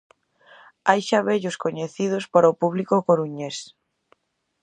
Hai xa vellos coñecidos para o público coruñés.